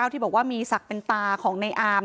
ที่บอกว่ามีศักดิ์เป็นตาของในอาม